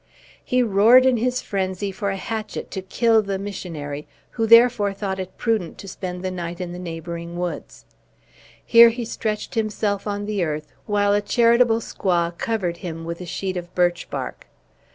He roared in his frenzy for a hatchet to kill the missionary, who therefore thought it prudent to spend the night in the neighboring woods. Here he stretched himself on the earth, while a charitable squaw covered him with a sheet of birch bark.